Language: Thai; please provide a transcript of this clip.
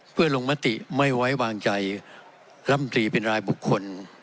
เพื่อลงมติไม่ไว้วางใจลำตรีเป็นรายบุคคล